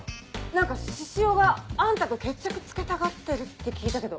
何か獅子王があんたと決着つけたがってるって聞いたけど。